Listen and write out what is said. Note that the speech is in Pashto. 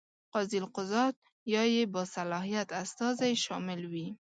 قاضي القضات یا یې باصلاحیت استازی شامل وي.